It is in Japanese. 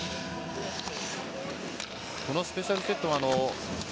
このスペシャルセットは。